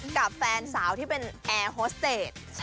กับแฟนสาวที่เป็นแอร์โฮสเตจ